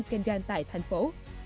kinh doanh tại thành phố